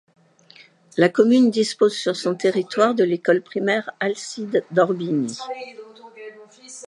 La commune dispose sur son territoire de l'école primaire Alcide-d'Orbigny.